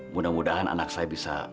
mudah mudahan anak saya bisa menjaga saya